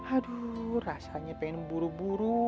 aduh rasanya pengen buru buru